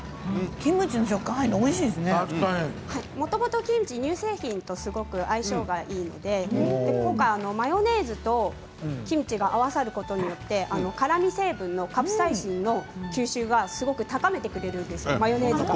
キムチはもともと乳製品と相性がいいので、今回はマヨネーズとキムチが合わさることによって辛み成分のカプサイシンの吸収をすごく高めてくれるんですよマヨネーズが。